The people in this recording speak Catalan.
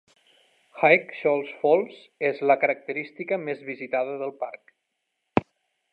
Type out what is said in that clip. High Shoals Falls és la característica més visitada del parc.